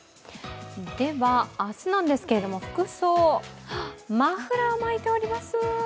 では、明日なんですけど服装マフラー巻いております。